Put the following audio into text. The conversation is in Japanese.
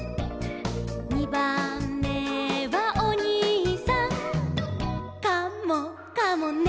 「にばんめはおにいさん」「カモかもね」